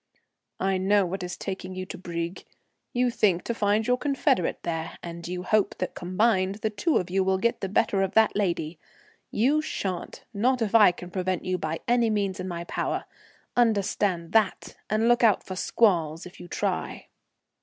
"I know what is taking you to Brieg. You think to find your confederate there, and you hope that, combined, the two of you will get the better of that lady. You sha'n't, not if I can prevent you by any means in my power; understand that, and look out for squalls if you try."